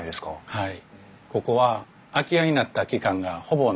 はい。